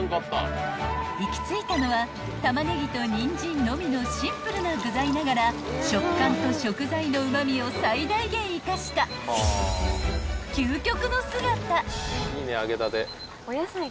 ［行き着いたのは玉ねぎとにんじんのみのシンプルな具材ながら食感と食材のうま味を最大限生かした究極の姿］